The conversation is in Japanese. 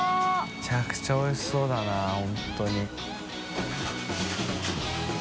めちゃくちゃおいしそうだな本当に。